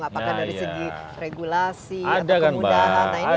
apakah dari segi regulasi atau kemudahan